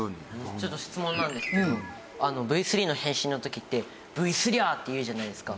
ちょっと質問なんですけどＶ３の変身の時って「Ｖすりゃー」って言うじゃないですか。